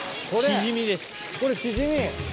これチヂミ。